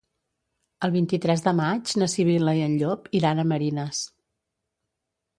El vint-i-tres de maig na Sibil·la i en Llop iran a Marines.